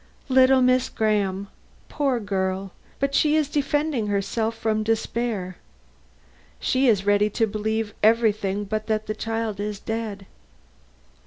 "Little Miss Graham? Poor girl! she is but defending herself from despair. She is ready to believe everything but that the child is dead."